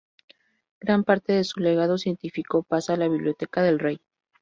Gran parte de su legado científico pasa a la Biblioteca del rey.